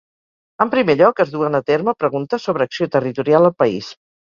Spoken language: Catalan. En primer lloc, es duen a terme preguntes sobre acció territorial al país.